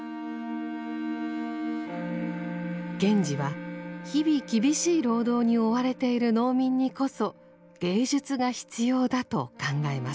賢治は日々厳しい労働に追われている農民にこそ芸術が必要だと考えます。